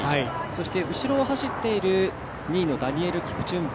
後ろを走っている２位のダニエル・キプチュンバ、